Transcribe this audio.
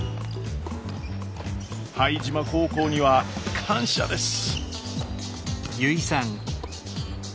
拝島高校には感謝です。